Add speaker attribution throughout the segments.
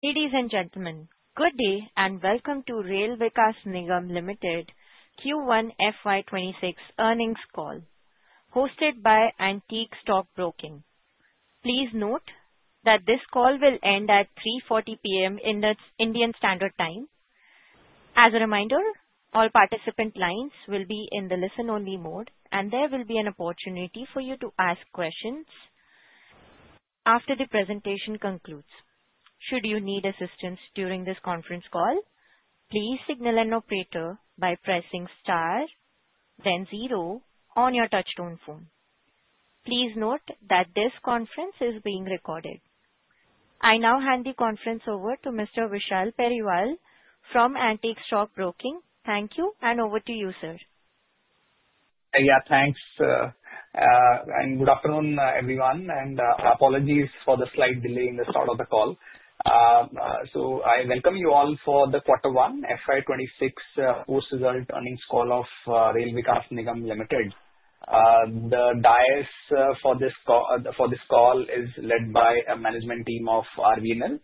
Speaker 1: Ladies and gentlemen, good day and welcome to Rail Vikas Nigam Limited Q1 FY 2026 earnings call, hosted by Antique Stock Broking. Please note that this call will end at 3:40 P.M. Indian Standard Time. As a reminder, all participant lines will be in the listen-only mode, and there will be an opportunity for you to ask questions after the presentation concludes. Should you need assistance during this conference call, please signal an operator by pressing star, then zero on your touch-tone phone. Please note that this conference is being recorded. I now hand the conference over to Mr. Vishal Periwal from Antique Stock Broking. Thank you, and over to you, sir.
Speaker 2: Yeah, thanks. And good afternoon, everyone. And apologies for the slight delay in the start of the call. So I welcome you all for the Quarter 1 FY 2026 post-result earnings call of Rail Vikas Nigam Limited. The dais for this call is led by a management team of RVNL,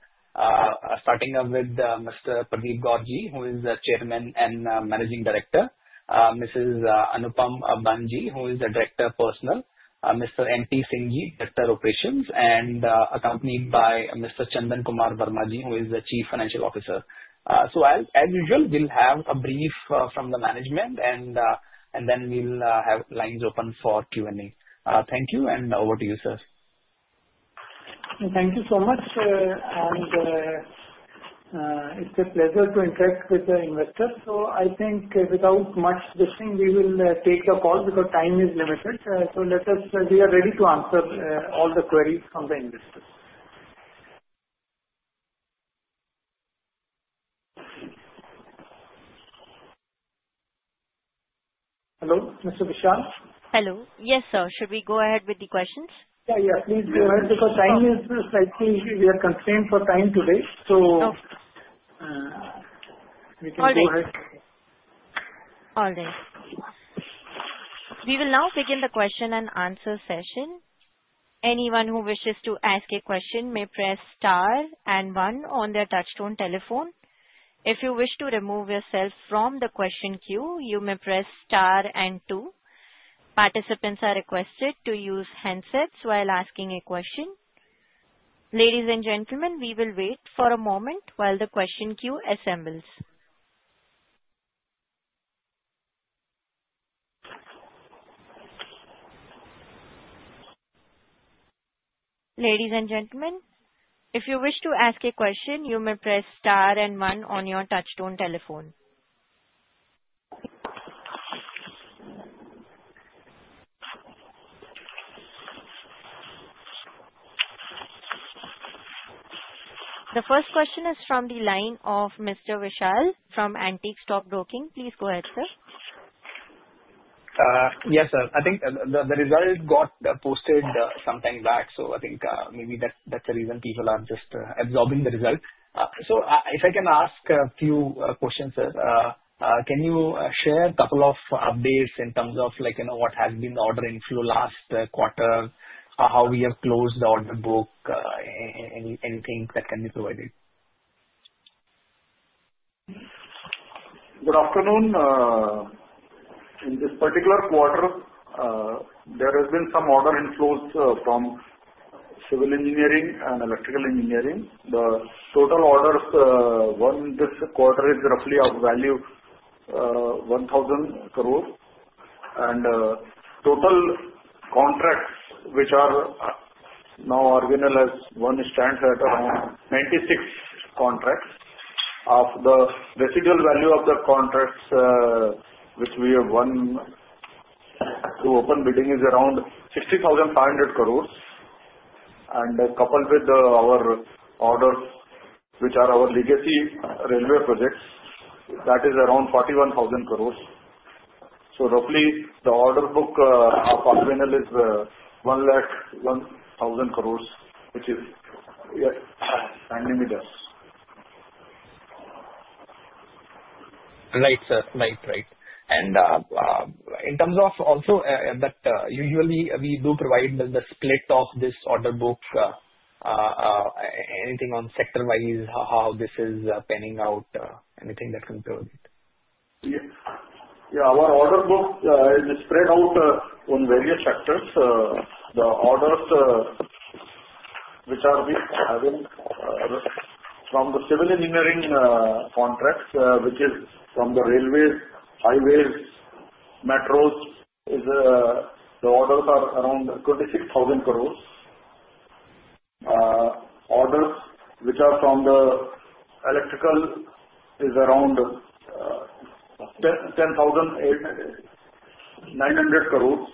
Speaker 2: starting with Mr. Pradeep Gaur ji, who is the Chairman and Managing Director, Mrs. Anupam Ban ji, who is the Director Personnel, Mr. N.P. Singh ji, Director Operations, and accompanied by Mr. Chandan Kumar Verma ji, who is the Chief Financial Officer. So as usual, we'll have a brief from the management, and then we'll have lines open for Q&A. Thank you, and over to you, sir.
Speaker 3: Thank you so much. And it's a pleasure to interact with the investors. So I think without much ado, we will take the call because time is limited. So we are ready to answer all the queries from the investors. Hello, Mr. Vishal?
Speaker 1: Hello. Yes, sir. Should we go ahead with the questions?
Speaker 3: Yeah, yeah. Please go ahead because we are constrained for time today. So we can go ahead.
Speaker 1: All right. We will now begin the question and answer session. Anyone who wishes to ask a question may press star and one on their touch-tone telephone. If you wish to remove yourself from the question queue, you may press star and two. Participants are requested to use handsets while asking a question. Ladies and gentlemen, we will wait for a moment while the question queue assembles. Ladies and gentlemen, if you wish to ask a question, you may press star and one on your touch-tone telephone. The first question is from the line of Mr. Vishal from Antique Stock Broking. Please go ahead, sir.
Speaker 2: Yes, sir. I think the result got posted sometime back. So I think maybe that's the reason people are just absorbing the result. So if I can ask a few questions, sir, can you share a couple of updates in terms of what has been the order inflow last quarter, how we have closed the order book, anything that can be provided?
Speaker 3: Good afternoon. In this particular quarter, there has been some order inflows from civil engineering and electrical engineering. The total orders this quarter is roughly of value 1,000 crores. And total contracts which are now organized as one stands at around 96 contracts. Of the residual value of the contracts which we have won through open bidding is around 60,500 crores. And coupled with our orders which are our legacy railway projects, that is around 41,000 crores. So roughly the order book of RVNL is one lakh crores, which is handy meters.
Speaker 2: Right, sir. In terms of also that usually we do provide the split of this order book, anything on sector-wise, how this is panning out, anything that can be provided?
Speaker 3: Yeah. Yeah. Our order book is spread out on various sectors. The orders which are we having from the civil engineering contracts, which is from the railways, highways, metros, the orders are around 26,000 crores. Orders which are from the electrical is around 10,900 crores.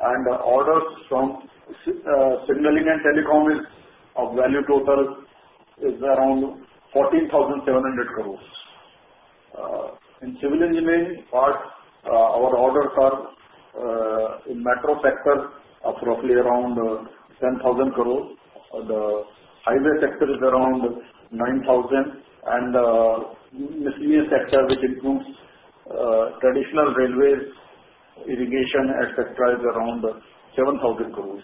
Speaker 3: And orders from signaling and telecom is of value total is around 14,700 crores. In civil engineering part, our orders are in metro sector of roughly around 10,000 crores. The highway sector is around 9,000. And the miscellaneous sector, which includes traditional railways, irrigation, etc., is around 7,000 crores.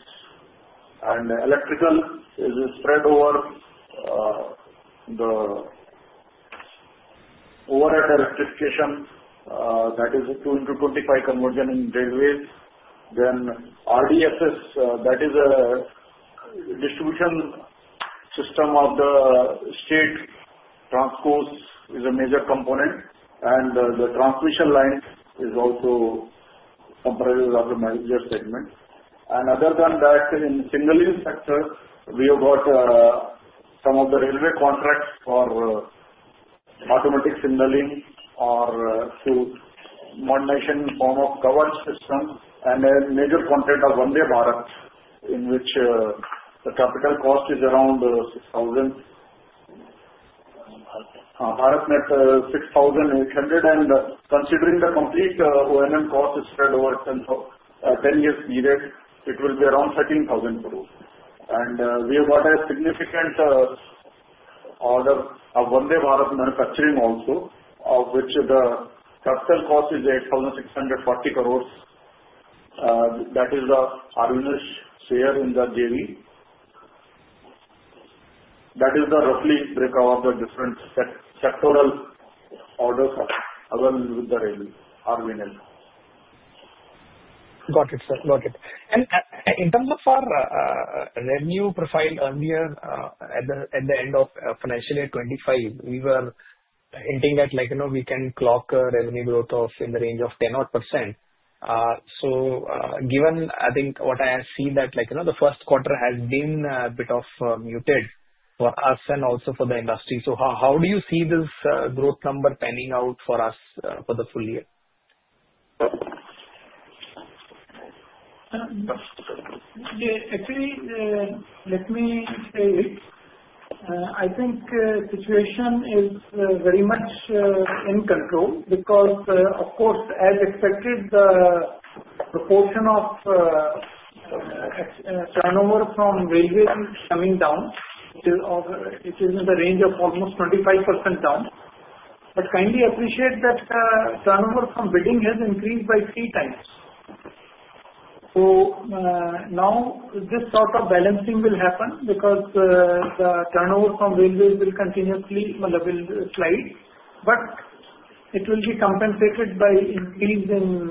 Speaker 3: And electrical is spread over the overhead electrification, that is 2x25 kV conversion in railways. Then RDSS, that is a distribution system of the state transports, is a major component. And the transmission line is also comprised of the major segment. Other than that, in signaling sector, we have got some of the railway contracts for automatic signaling or to modernization form of Kavach system. A major content of Vande Bharat, in which the capital cost is around 6,000. BharatNet 6,800. Considering the complete O&M cost is spread over 10 years period, it will be around 13,000 crores. We have got a significant order of Vande Bharat manufacturing also, of which the capital cost is 8,640 crores. That is the RVNL share in the JV. That is the roughly breakup of the different sectoral orders with the railways. RVNL.
Speaker 2: Got it, sir. Got it. And in terms of our revenue profile earlier at the end of financial year 25, we were hinting at we can clock revenue growth in the range of 10%. So given, I think, what I have seen that the first quarter has been a bit of muted for us and also for the industry. So how do you see this growth number panning out for us for the full year?
Speaker 3: Actually, let me say it. I think the situation is very much in control because, of course, as expected, the proportion of turnover from railways is coming down. It is in the range of almost 25% down. But kindly appreciate that turnover from bidding has increased by three times. So now this sort of balancing will happen because the turnover from railways will continuously slide. But it will be compensated by increase in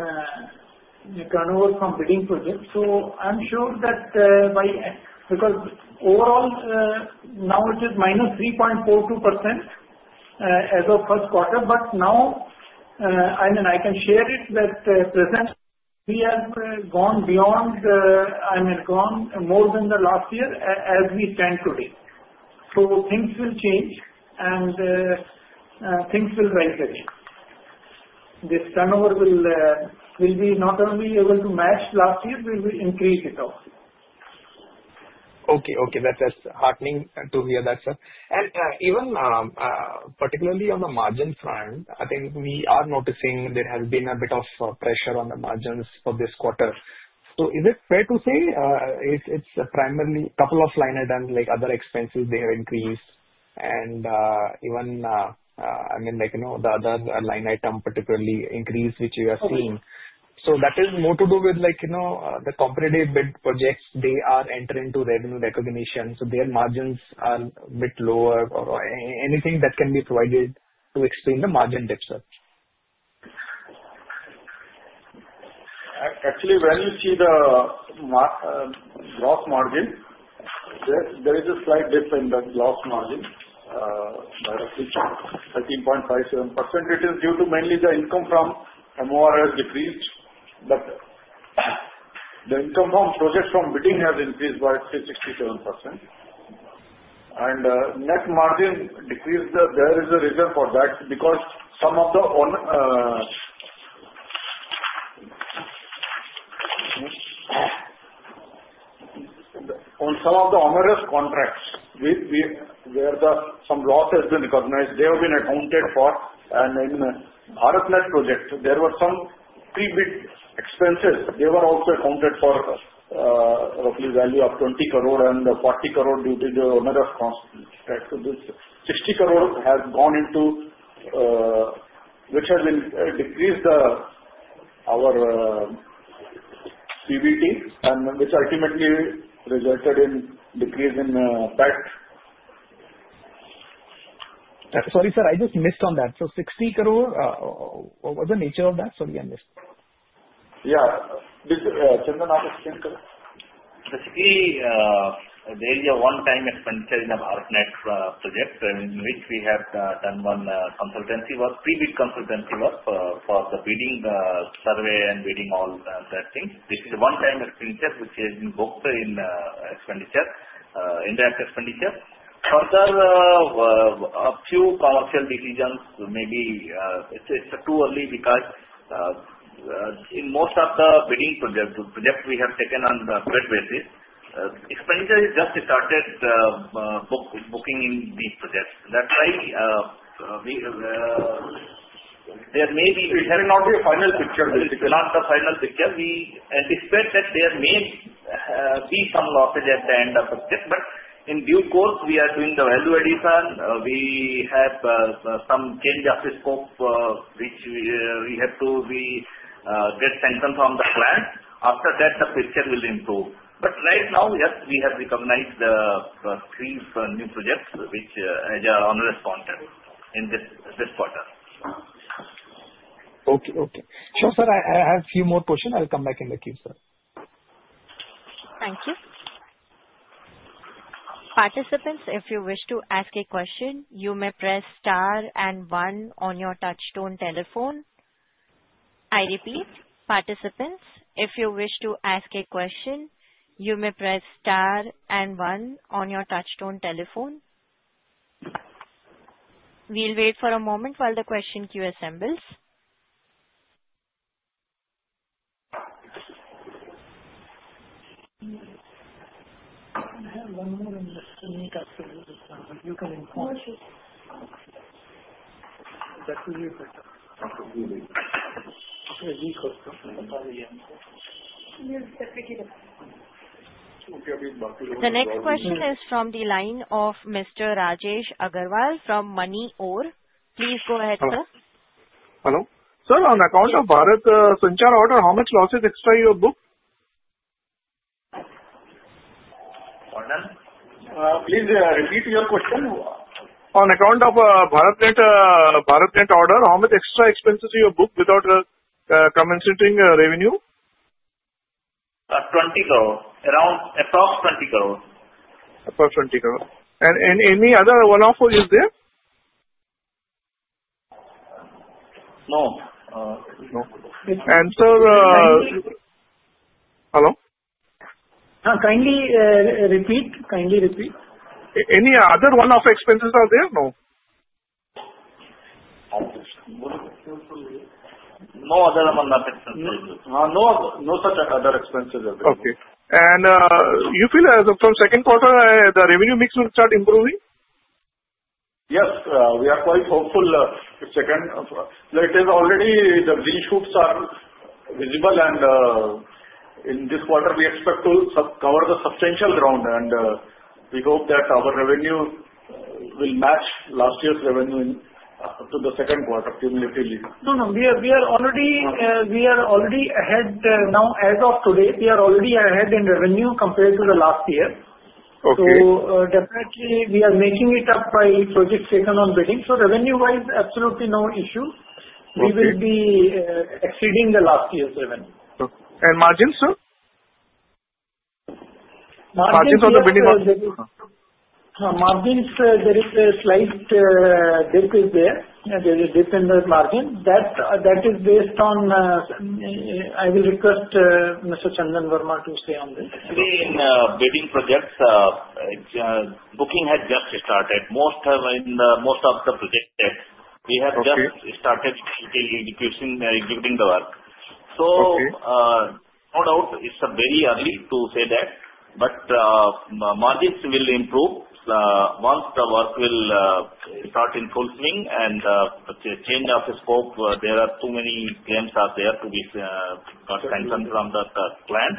Speaker 3: turnover from bidding projects. So I'm sure that because overall, now it is -3.42% as of first quarter. But now, I mean, I can share it that present we have gone beyond, I mean, gone more than the last year as we stand today. So things will change and things will rise again. This turnover will be not only able to match last year, we will increase it also.
Speaker 2: Okay, okay. That's heartening to hear that, sir. And even particularly on the margin front, I think we are noticing there has been a bit of pressure on the margins for this quarter. So is it fair to say it's primarily a couple of line items, like other expenses, they have increased? And even, I mean, the other line item particularly increased, which you have seen. So that is more to do with the competitive bid projects. They are entering into revenue recognition. So their margins are a bit lower. Anything that can be provided to explain the margin dip, sir?
Speaker 4: Actually, when you see the gross margin, there is a slight dip in the gross margin by roughly 13.57%. It is due to mainly the income from MOR has decreased. But the income from projects from bidding has increased by 67%. And net margin decreased. There is a reason for that because some of the onerous contracts where some loss has been recognized. They have been accounted for. And in BharatNet project, there were some pre-bid expenses. They were also accounted for roughly value of 20 crore and 40 crore due to the onerous cost. 60 crore has gone into, which has decreased our PBT, and which ultimately resulted in decrease in PAT.
Speaker 2: Sorry, sir, I just missed on that. So 60 crore, what was the nature of that? Sorry, I missed.
Speaker 3: Yeah. Chandan, I'll explain. Basically, there is a one-time expenditure in the BharatNet project, in which we have done one consultancy work, pre-bid consultancy work for the bidding survey and bidding all that thing. This is a one-time expenditure, which has been booked in indirect expenditure. Further, a few commercial decisions maybe it's too early because in most of the bidding projects, the projects we have taken on the grant basis, expenditure is just started booking in these projects. That's why there may be we have not the final picture. This is not the final picture. We anticipate that there may be some losses at the end of the project. But in due course, we are doing the value addition. We have some change of the scope, which we have to get sanction on the plan. After that, the picture will improve. But right now, yes, we have recognized the three new projects, which are on the sponsor in this quarter.
Speaker 2: Okay, okay. Sure, sir. I have a few more questions. I'll come back in the queue, sir.
Speaker 1: Thank you. Participants, if you wish to ask a question, you may press star and one on your touch-tone telephone. I repeat, participants, if you wish to ask a question, you may press star and one on your touch-tone telephone. We'll wait for a moment while the question queue assembles. The next question is from the line of Mr. Rajesh Agarwal from Moneyore. Please go ahead, sir.
Speaker 5: Hello. Sir, on account of BharatNet onerous order, how much losses extra you have booked?
Speaker 3: Please repeat your question.
Speaker 5: On account of BharatNet order, how much extra expenses you have booked without commensurate revenue?
Speaker 3: 20 crore. Around approximately INR 20 crore.
Speaker 5: Approximately 20 crore. And any other one-off is there?
Speaker 3: No.
Speaker 5: And, sir.
Speaker 2: Kindly.
Speaker 5: Hello?
Speaker 3: Kindly repeat. Kindly repeat.
Speaker 5: Any other one-off expenses are there? No.
Speaker 3: No other one-off expenses. No such other expenses are there.
Speaker 5: Okay. And you feel as of second quarter, the revenue mix will start improving?
Speaker 3: Yes. We are quite hopeful. It's already the green shoots are visible. And in this quarter, we expect to cover the substantial ground. And we hope that our revenue will match last year's revenue to the second quarter cumulatively. No, no. We are already ahead now. As of today, we are already ahead in revenue compared to the last year. So definitely, we are making it up by projects taken on bidding. So revenue-wise, absolutely no issue. We will be exceeding the last year's revenue.
Speaker 5: Margins, sir? Margins of the bidding?
Speaker 3: Margins, there is a slight dip there. There is a dip in the margin. That is based on. I will request Mr. Chandan Verma to stay on this.
Speaker 4: Actually, in bidding projects, booking has just started. Most of the projects, we have just started executing the work. So no doubt, it's very early to say that. But margins will improve once the work will start in full swing. And change of the scope, there are too many claims out there to be got sanctioned from the plan.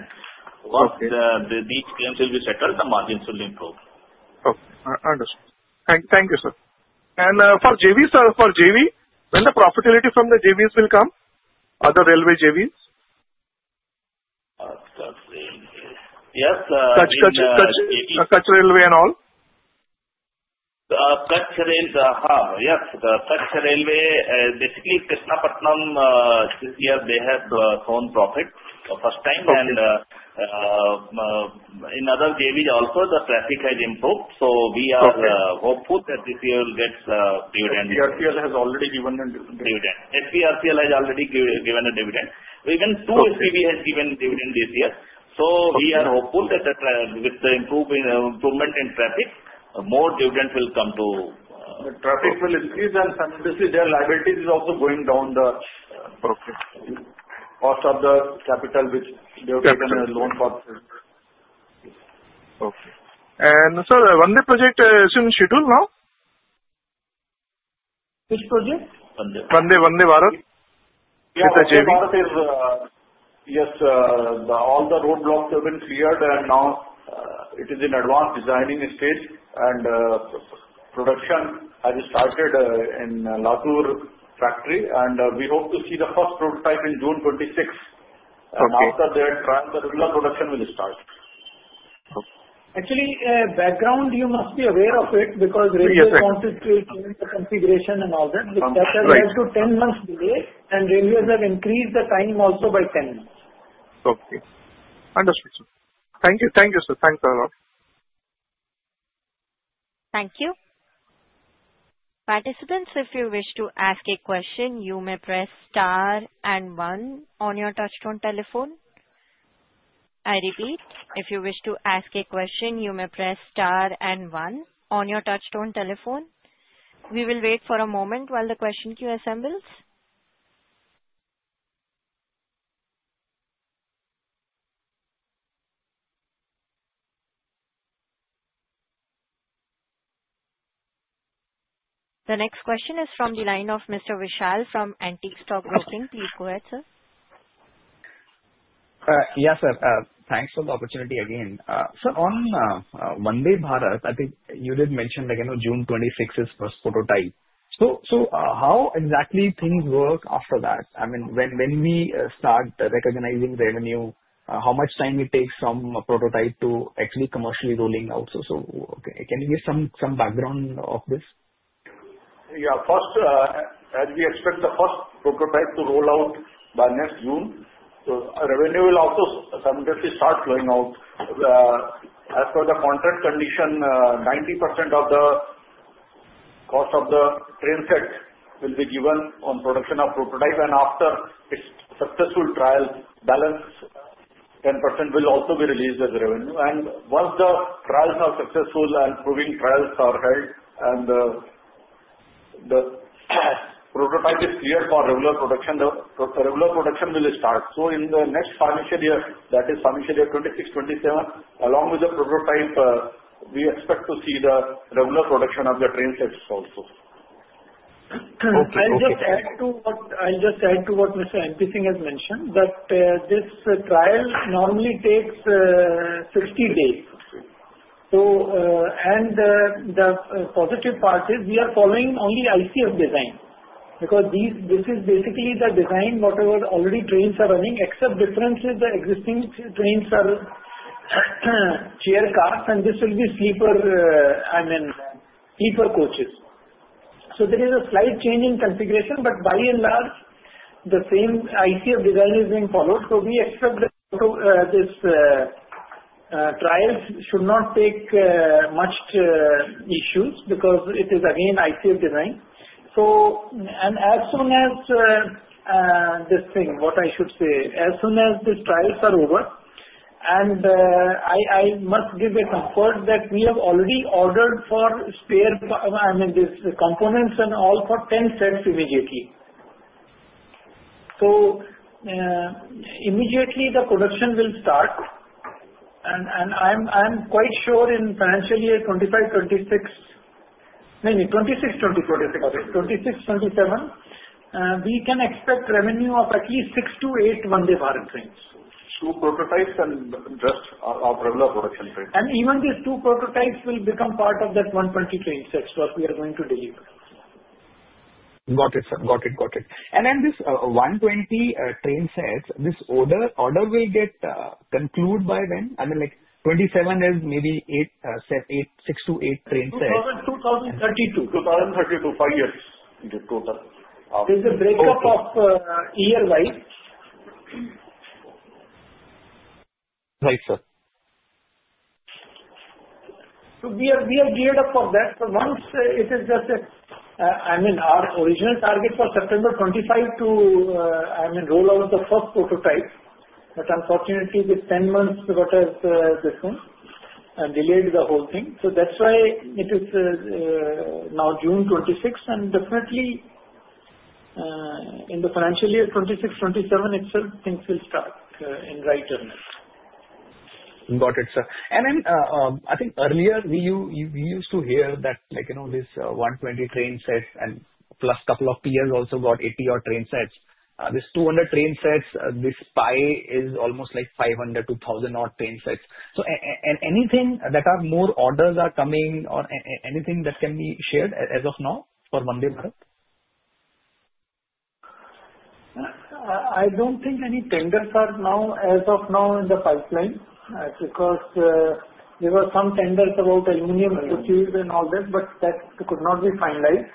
Speaker 4: Once these claims will be settled, the margins will improve.
Speaker 5: Okay. Understood. Thank you, sir. And for JVs, sir, for JV, when the profitability from the JVs will come? Other railway JVs?
Speaker 3: Yes.
Speaker 5: Kutch Railway and all?
Speaker 3: Kutch Railway, basically, Krishnapatnam, this year, they have shown profit for the first time. And in other JVs also, the traffic has improved. So we are hopeful that this year will get dividend.
Speaker 5: SPRCL has already given a dividend.
Speaker 3: SPRCL has already given a dividend. Even two SPV has given dividend this year so we are hopeful that with the improvement in traffic, more dividend will come to. The traffic will increase. And obviously, their liabilities is also going down. The cost of the capital which they have taken a loan for.
Speaker 5: Okay. And, sir, Vande project is on schedule now?
Speaker 3: Which project?
Speaker 5: Vande Bharat with the JV.
Speaker 3: Yeah. Vande Bharat is, yes, all the roadblocks have been cleared, and now it is in advanced design stage, and production has started in Latur factory, and we hope to see the first prototype in June 2026. After that, trial, the regular production will start.
Speaker 5: Actually, background, you must be aware of it because railways wanted to change the configuration and all that. But that has led to 10 months delay. And railways have increased the time also by 10 months. Okay. Understood, sir. Thank you. Thank you, sir. Thanks a lot.
Speaker 1: Thank you. Participants, if you wish to ask a question, you may press star and one on your touch-tone telephone. I repeat, if you wish to ask a question, you may press star and one on your touch-tone telephone. We will wait for a moment while the question queue assembles. The next question is from the line of Mr. Vishal from Antique Stock Broking. Please go ahead, sir.
Speaker 2: Yes, sir. Thanks for the opportunity again. Sir, on Vande Bharat, I think you did mention that June 2026 is first prototype, so how exactly things work after that? I mean, when we start recognizing revenue, how much time it takes from prototype to actually commercially rolling out, so can you give some background of this?
Speaker 3: Yeah. As we expect the first prototype to roll out by next June, revenue will also start flowing out. As per the contract condition, 90% of the cost of the train set will be given on production of prototype. After its successful trial, balance 10% will also be released as revenue. Once the trials are successful and proving trials are held and the prototype is cleared for regular production, the regular production will start. In the next financial year, that is financial year 2026-2027, along with the prototype, we expect to see the regular production of the train sets also.
Speaker 4: I'll just add to what Mr. N.P. Singh has mentioned that this trial normally takes 60 days. And the positive part is we are following only ICF design. Because this is basically the design, whatever already trains are running, except difference is the existing trains are chair cars. And this will be sleeper, I mean, sleeper coaches. So there is a slight change in configuration. But by and large, the same ICF design is being followed. So we expect that this trials should not take much issues because it is again ICF design. And as soon as this thing, what I should say, as soon as these trials are over, and I must give the comfort that we have already ordered for spare, I mean, these components and all for 10 sets immediately. So immediately, the production will start.
Speaker 3: I'm quite sure in financial year 2025, 2026, maybe 2026, 2027, we can expect revenue of at least 6-8 Vande Bharat trains. Two prototypes and just regular production trains.
Speaker 5: Even these two prototypes will become part of that 120 train sets what we are going to deliver.
Speaker 2: Got it, sir. Got it. Got it.
Speaker 3: Then this 120 train sets, this order will get concluded by when? I mean, 2027 is maybe 6-8 train sets.
Speaker 5: 2032.
Speaker 3: 2032. Five years in total. There's a break-up of year-wise.
Speaker 2: Right, sir.
Speaker 3: So we are geared up for that. But once it is just, I mean, our original target for September 2025 to, I mean, roll out the first prototype. But unfortunately, with 10 months, what has this thing delayed the whole thing? So that's why it is now June 2026. And definitely, in the financial year 2026, 2027, it's certain things will start in right earnest.
Speaker 2: Got it, sir. And then I think earlier, we used to hear that this 120 train sets and plus a couple of tiers also got 80-odd train sets. This 200 train sets, this pie is almost like 500-1,000-odd train sets. So anything that are more orders are coming or anything that can be shared as of now for Vande Bharat?
Speaker 3: I don't think any tenders are now as of now in the pipeline, because there were some tenders about aluminum producers and all that, but that could not be finalized,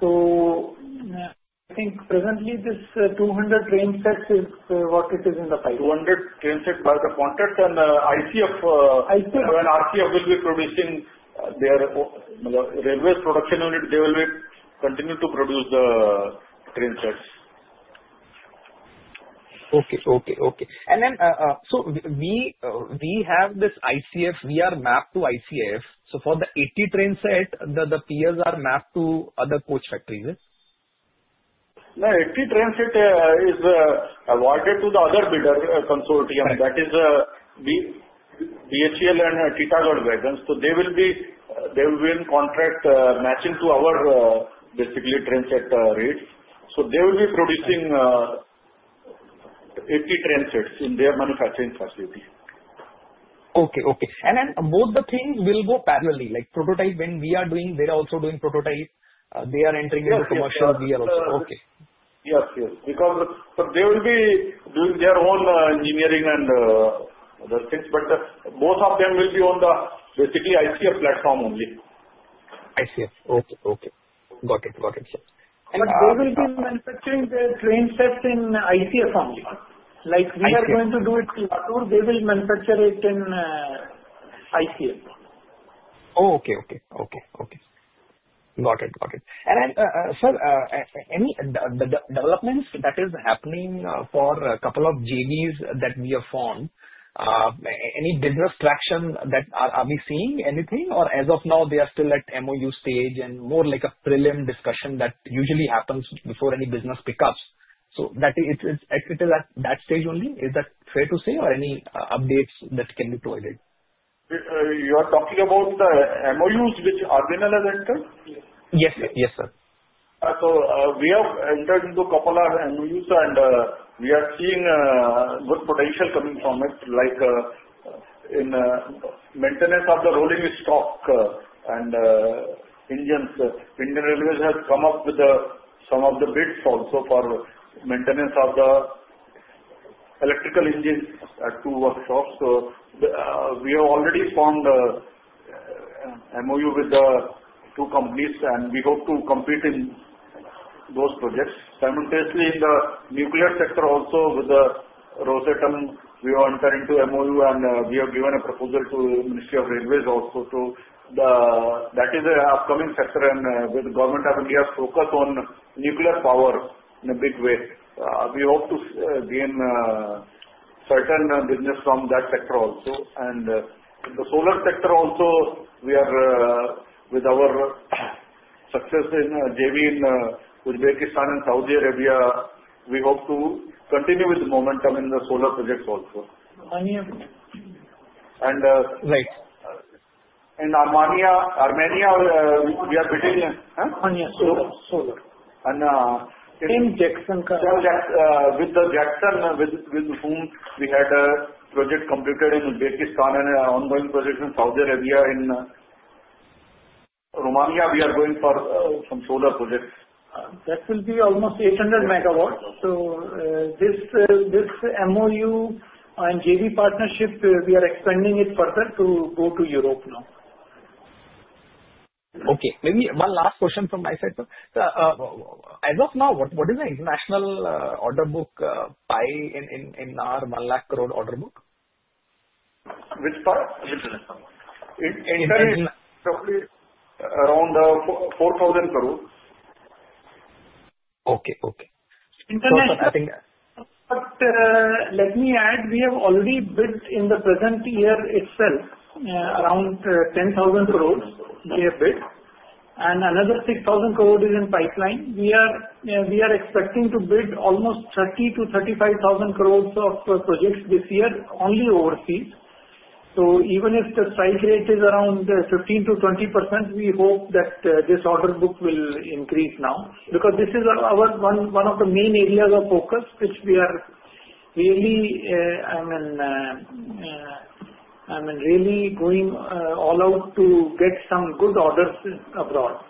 Speaker 3: so I think presently, this 200 train sets is what it is in the pipeline. 200 train sets by the quantities, and ICF, when RCF will be producing their railway production unit, they will continue to produce the train sets.
Speaker 2: And then so we have this ICF. We are mapped to ICF. So for the 80 train set, Titagarh are mapped to other coach factories, is it?
Speaker 3: No. 80 train set is awarded to the other bidder consortium. That is BHEL and Titagarh Wagons. So they will be contract matching to our basically train set rates. So they will be producing 80 train sets in their manufacturing facility.
Speaker 2: Okay. Okay. And then both the things will go parallelly. Prototype, when we are doing, they are also doing prototype. They are entering into commercial.
Speaker 3: Yes.
Speaker 2: We are also. Okay.
Speaker 3: Yes. Yes. Because they will be doing their own engineering and other things. But both of them will be on the basic ICF platform only.
Speaker 5: ICF. Okay. Got it, sir. And they will be manufacturing the train sets in ICF only. Like we are going to do it in Latur, they will manufacture it in ICF.
Speaker 2: Okay. Got it. And then, sir, any developments that is happening for a couple of JVs that we have found? Any business traction that are we seeing? Anything? Or as of now, they are still at MOU stage and more like a prelim discussion that usually happens before any business pickups. So it is at that stage only. Is that fair to say? Or any updates that can be provided? You are talking about the MOUs which are being entered?
Speaker 5: Yes. Yes, sir.
Speaker 3: So we have entered into a couple of MOUs. And we are seeing good potential coming from it. Like in maintenance of the rolling stock and engines, Indian Railways has come up with some of the bids also for maintenance of the electrical engines at two workshops. So we have already formed an MOU with the two companies. And we hope to compete in those projects. Simultaneously, in the nuclear sector also with the Rosatom, we have entered into MOU. And we have given a proposal to the Ministry of Railways also to that is an upcoming sector. And with the government of India's focus on nuclear power in a big way, we hope to gain certain business from that sector also. And the solar sector also, we are with our success in JV in Uzbekistan and Saudi Arabia. We hope to continue with the momentum in the solar projects also.
Speaker 5: Armenia.
Speaker 3: And.
Speaker 5: Right.
Speaker 3: In Armenia, we are bidding.
Speaker 5: Armenia. Solar.
Speaker 3: And.
Speaker 5: Same Jakson.
Speaker 3: With the Jakson, with whom we had a project completed in Uzbekistan and an ongoing project in Saudi Arabia. In Romania, we are going for some solar projects.
Speaker 5: That will be almost 800 MW. So this MOU and JV partnership, we are expanding it further to go to Europe now.
Speaker 2: Okay. Maybe one last question from my side, sir. As of now, what is the international order book pie in our 1 lakh crore order book?
Speaker 3: Which pie?
Speaker 5: International.
Speaker 3: International. Probably around INR 4,000 crore.
Speaker 2: Okay. Okay.
Speaker 5: International.
Speaker 3: But let me add, we have already bid in the present year itself around 10,000 crores. We have bid. And another 6,000 crores is in pipeline. We are expecting to bid almost 30,000-35,000 crores of projects this year only overseas. So even if the strike rate is around 15%-20%, we hope that this order book will increase now. Because this is one of the main areas of focus which we are really, I mean, really going all out to get some good orders abroad.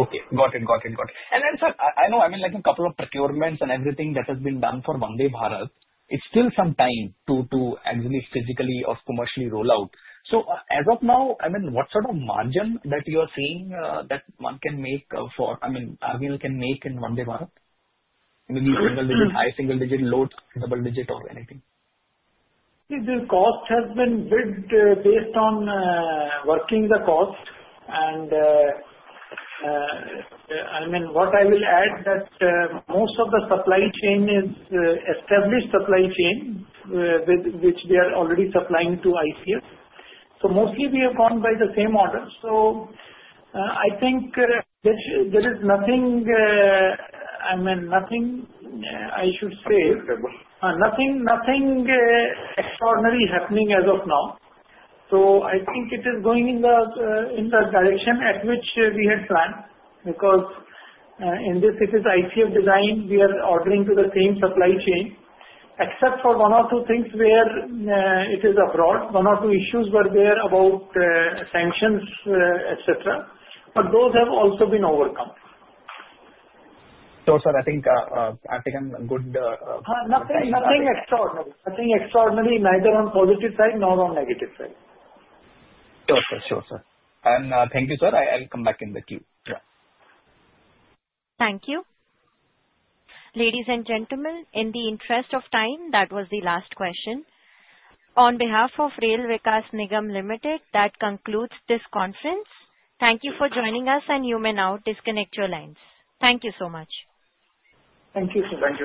Speaker 2: Okay. Got it. And then, sir, I know, I mean, like a couple of procurements and everything that has been done for Vande Bharat, it's still some time to actually physically or commercially roll out. So as of now, I mean, what sort of margin that you are seeing that one can make for, I mean, RVNL can make in Vande Bharat? Maybe single digit, high single digit, low double digit, or anything?
Speaker 3: The cost has been bid based on working the cost. And I mean, what I will add that most of the supply chain is established supply chain with which we are already supplying to ICF. So mostly, we have gone by the same order. So I think there is nothing, I mean, nothing I should say. Nothing notable.
Speaker 5: Nothing extraordinary happening as of now. So I think it is going in the direction at which we had planned. Because in this case of ICF design, we are ordering to the same supply chain, except for one or two things where it is abroad. One or two issues were there about sanctions, etc. But those have also been overcome.
Speaker 2: Sure, sir. I think I've taken good.
Speaker 3: Nothing extraordinary. Nothing extraordinary, neither on positive side nor on negative side.
Speaker 2: Sure, sir. Sure, sir. And thank you, sir. I'll come back in the queue.
Speaker 1: Yeah. Thank you. Ladies and gentlemen, in the interest of time, that was the last question. On behalf of Rail Vikas Nigam Limited, that concludes this conference. Thank you for joining us. And you may now disconnect your lines. Thank you so much.
Speaker 3: Thank you, sir. Thank you.